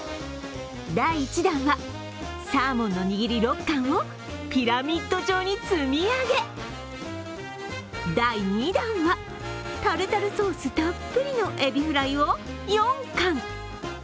第１弾は、サーモンの握り６貫をピラミッド状に積み上げ、第２弾は、タルタルソースたっぷりのエビフライを４貫。